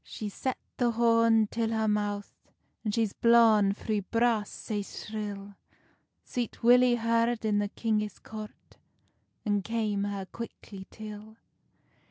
She's set the horn till her mouth, And she's blawn three blasts sae shrill; Sweet Willy heard i the kingis court, And came her quickly till.